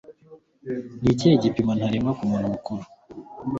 Ni ikihe gipimo ntarengwa ku muntu mukuru?